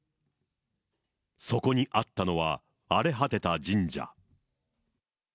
そこにあったのは、荒れ果てた神社。